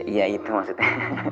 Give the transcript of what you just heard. iya itu maksudnya